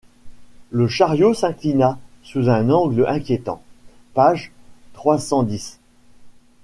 Le chariot s’inclina sous un angle inquiétant, page trois cent dix.